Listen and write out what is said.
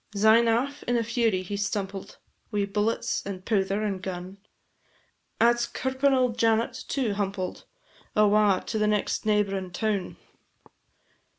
Syne aff in a fury he stumpled, Wi' bullets, and pouther, and gun; At 's curpin auld Janet too humpled, Awa to the next neighb'rin' town.